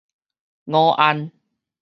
午安